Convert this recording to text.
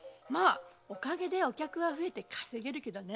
お陰でお客が増えて稼げるけどね。